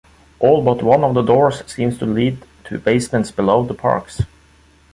All but one of the doors seem to lead to basements below the parks.